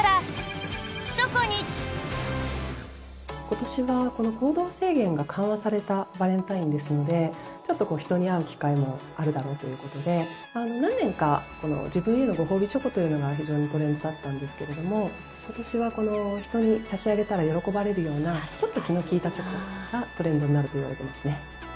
今年は行動制限が緩和されたバレンタインですのでちょっと人に会う機会もあるだろうということで何年か自分へのご褒美チョコというのが非常にトレンドだったんですけれども今年は人に差し上げたら喜ばれるようなちょっと気の利いたチョコがトレンドになるといわれてます。